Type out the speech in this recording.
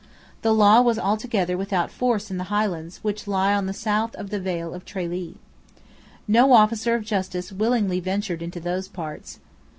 The law was altogether without force in the highlands which lie on the south of the vale of Tralee. No officer of justice willingly ventured into those parts.